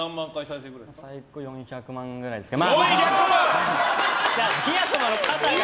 最高４００万ぐらいですけど。